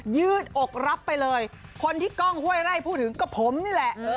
ืดอกรับไปเลยคนที่กล้องห้วยไร่พูดถึงก็ผมนี่แหละ